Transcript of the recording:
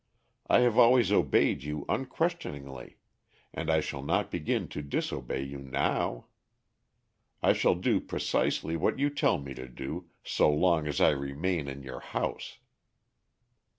I have always obeyed you unquestioningly, and I shall not begin to disobey you now. I shall do precisely what you tell me to do, so long as I remain in your house."